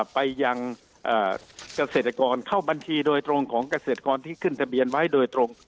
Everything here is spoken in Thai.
ไปยังเกษตรกรเข้าบัญชีโดยตรงของเกษตรกรที่ขึ้นทะเบียนไว้โดยตรง